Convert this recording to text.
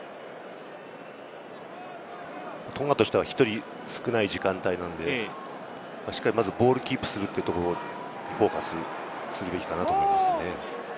トンガとしては１人少ない時間帯なので、しっかり、まずボールをキープすることにフォーカスするべきかなと思います。